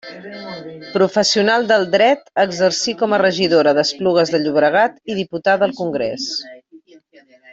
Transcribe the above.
Professional del Dret, exercí com a regidora d'Esplugues de Llobregat i diputada al Congrés.